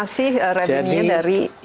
jadi masih revenue nya dari listrik